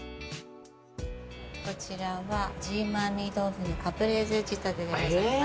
こちらは、ジーマミー豆腐のカプレーゼ仕立てでございます。